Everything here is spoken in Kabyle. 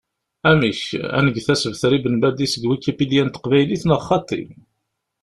Amek, ad nget asebter i Ben Badis deg Wikipedia n teqbaylit neɣ xaṭi?